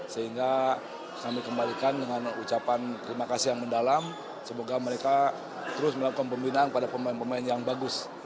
sehingga kami kembalikan dengan ucapan terima kasih yang mendalam semoga mereka terus melakukan pembinaan pada pemain pemain yang bagus